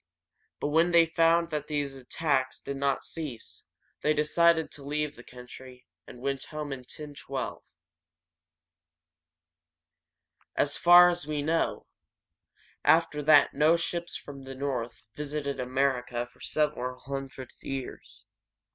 But when they found that these attacks did not cease, they decided to leave the country, and went home in 1012. [Illustration: A Viking's Ship.] As far as we know, after that no ships from the North visited America for several hundred years.